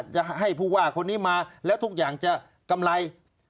จะให้ผู้ว่าคนนี้มาแล้วทุกอย่างจะกำไร